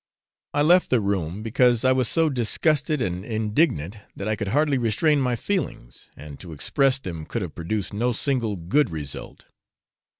I left the room, because I was so disgusted and indignant, that I could hardly restrain my feelings, and to express them could have produced no single good result.